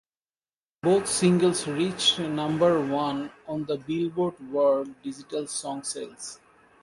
Both singles reached number one on the "Billboard" World Digital Song Sales.